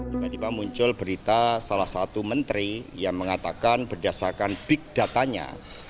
tiba tiba muncul berita salah satu menteri yang mengatakan berdasarkan big datanya